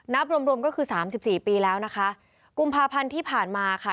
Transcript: นับรวมรวมก็คือสามสิบสี่ปีแล้วนะคะกุมภาพันธ์ที่ผ่านมาค่ะ